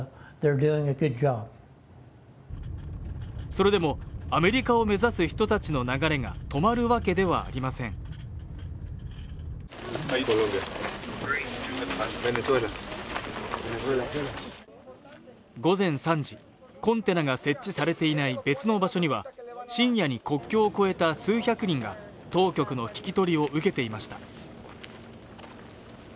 それでもアメリカを目指す人たちの流れが止まるわけではありません午前３時コンテナが設置されていない別の場所には深夜に国境を越えた数百人が当局の聞き取りを受けていました